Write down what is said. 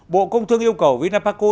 bộ công thương yêu cầu vinapaco